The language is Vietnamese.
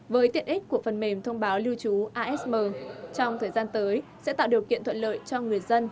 với tiện ích của phần mềm thông báo lưu trú asm trong thời gian tới sẽ tạo điều kiện thuận lợi cho người dân